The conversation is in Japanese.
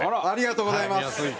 ありがとうございます。